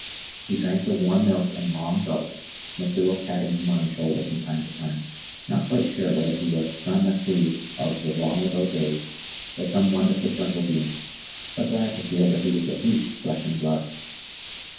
He drank the warm milk in long gulps, Messua patting him on the shoulder from time to time, not quite sure whether he were her son Nathoo of the long ago days, or some wonderful Jungle being, but glad to feel that he was at least flesh and blood.